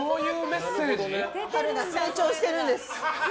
春菜、成長してるんです。